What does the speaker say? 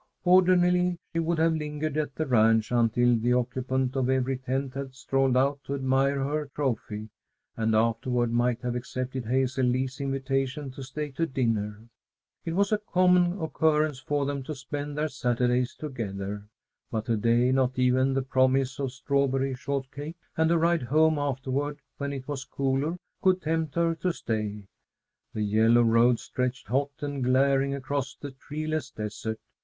Ordinarily she would have lingered at the ranch until the occupant of every tent had strolled out to admire her trophy, and afterward might have accepted Hazel Lee's invitation to stay to dinner. It was a common occurrence for them to spend their Saturdays together. But to day not even the promise of strawberry shortcake and a ride home afterward, when it was cooler, could tempt her to stay. The yellow road stretched hot and glaring across the treeless desert.